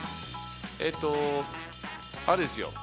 えっとあれですよ